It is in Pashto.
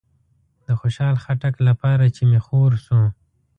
د خوشحال خټک لپاره چې می خور شو